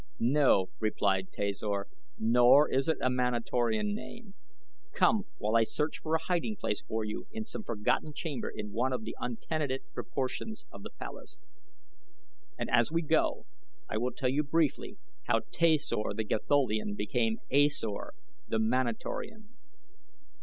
"No," replied Tasor, "nor is it a Manatorian name. Come, while I search for a hiding place for you in some forgotten chamber in one of the untenanted portions of the palace, and as we go I will tell you briefly how Tasor the Gatholian became A Sor the Manatorian.